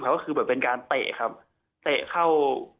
ก็คือแบบเป็นการเตะครับเตะเข้า